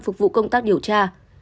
phục vụ công tác điều tra